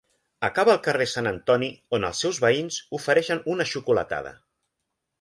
Acaba al carrer Sant Antoni, on els seus veïns ofereixen una xocolatada.